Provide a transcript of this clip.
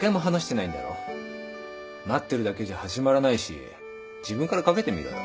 待ってるだけじゃ始まらないし自分からかけてみろよ。